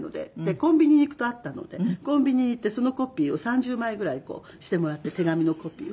コンビニに行くとあったのでコンビニに行ってそのコピーを３０枚ぐらいこうしてもらって手紙のコピーを。